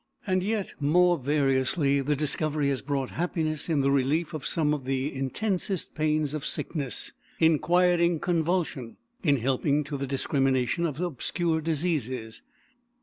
And, yet more variously, the discovery has brought happiness in the relief of some of the intensest pains of sickness, in quieting convulsion, in helping to the discrimination of obscure diseases.